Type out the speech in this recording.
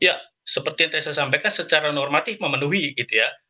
ya seperti yang tadi saya sampaikan secara normatif memenuhi gitu ya